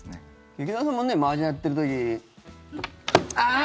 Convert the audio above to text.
劇団さんもマージャンやってる時あー！